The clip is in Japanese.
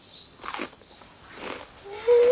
うん！